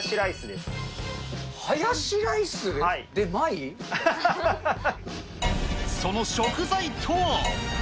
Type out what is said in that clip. で、その食材とは。